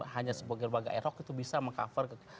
hanya sebagai baga baga erok itu bisa meng cover